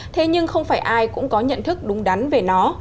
thế nhưng không phải ai cũng có nhận thức đúng đắn về nó